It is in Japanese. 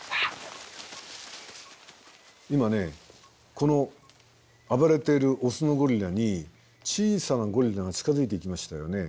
今この暴れているオスのゴリラに小さなゴリラが近づいてきましたよね。